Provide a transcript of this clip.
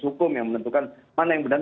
hukum yang menentukan mana yang benar